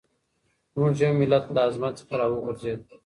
زموږ يو ملت له عظمت څخه راوغورځېد.